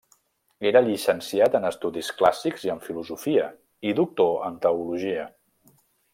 Era llicenciat en Estudis clàssics i en Filosofia, i doctor en Teologia.